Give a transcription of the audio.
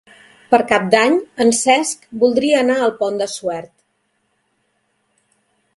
Per Cap d'Any en Cesc voldria anar al Pont de Suert.